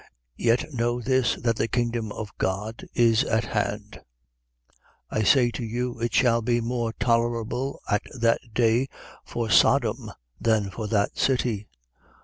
Yet know this, that the kingdom of God is at hand. 10:12. I say to you, it shall be more tolerable at that day for Sodom than for that city.